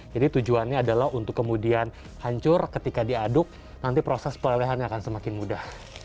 jadi tujuannya adalah untuk kemudian hancur ketika diaduk nanti proses pelelehannya akan semakin mudah